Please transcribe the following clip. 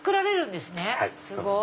すごい！